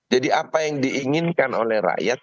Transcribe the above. jadi apa yang diinginkan oleh rakyat